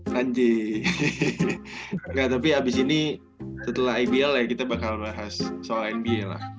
kanjik nggak tapi habis ini setelah ibl ya kita bakal bahas soal nba lah